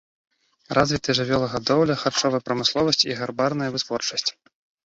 Развіты жывёлагадоўля, харчовая прамысловасць і гарбарная вытворчасць.